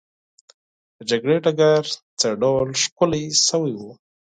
د جګړې ډګر څه ډول ښکلی سوی وو؟